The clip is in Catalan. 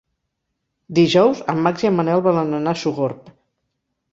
Dijous en Max i en Manel volen anar a Sogorb.